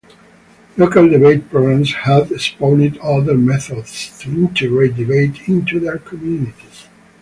Local debate programs have spawned other methods to integrate debate into their communities.